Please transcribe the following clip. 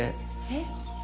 えっ？